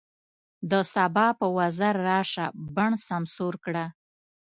د سبا په وزر راشه، بڼ سمسور کړه